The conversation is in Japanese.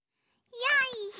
よいしょ。